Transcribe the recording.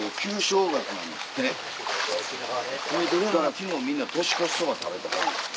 昨日みんな年越しそば食べた。